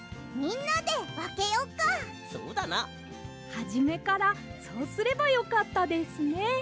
はじめからそうすればよかったですね。